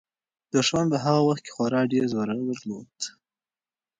دښمن په هغه وخت کې خورا ډېر زور درلود.